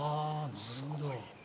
すごいね。